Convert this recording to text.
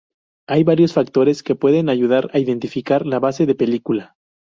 Hay varios factores que pueden ayudar a identificar la base de película.